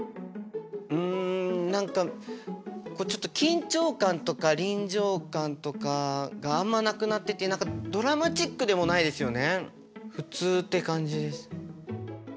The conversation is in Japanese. うん何かこうちょっと緊張感とか臨場感とかがあんまなくなってて何かドラマチックでもないですよね。普通って感じです。